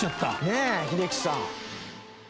ねえ英樹さん。